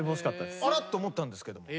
あらと思ったんですけども。